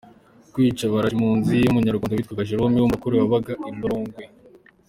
Kwica barashe impunzi y’umunyarwanda witwaga Jerôme w’umurokore wabaga i Lilongwe